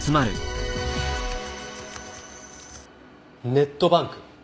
ネットバンク？